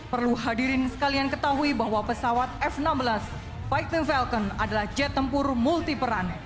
perlu hadirin sekalian ketahui bahwa pesawat f enam belas fighting falcon adalah jet tempur multiperan